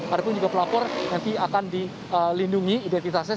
ada pun juga pelapor nanti akan dilindungi identitasnya